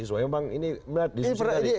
ini pendebatannya sendiri